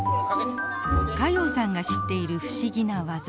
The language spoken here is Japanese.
加用さんが知っている不思議な技。